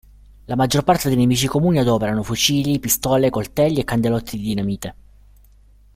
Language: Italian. La maggior parte dei nemici comuni adoperano fucili, pistole, coltelli e candelotti di dinamite.